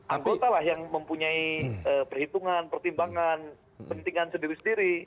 anggota lah yang mempunyai perhitungan pertimbangan pentingkan sendiri sendiri